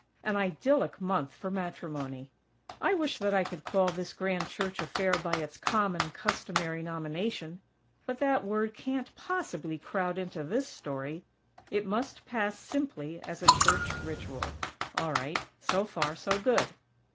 An idyllic month for matrimony. I wish that I could call this grand church affair by its common, customary nomination; but that word can't possibly crowd into this story. It must pass simply as a church ritual. All right; so far, so good.